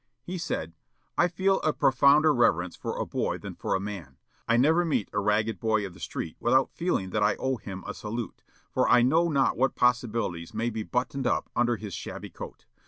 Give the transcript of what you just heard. He said, "I feel a profounder reverence for a boy than for a man. I never meet a ragged boy of the street without feeling that I may owe him a salute, for I know not what possibilities may be buttoned up under his shabby coat.